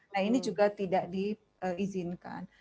nah ini juga tidak diizinkan